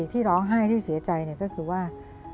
ที่ร้องไห้ที่เสียใจก็คือว่า